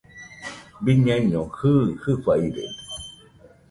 Biñaino jɨɨ, fɨfairede